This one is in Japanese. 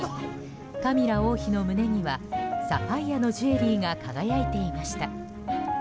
カミラ王妃の胸にはサファイアのジュエリーが輝いていました。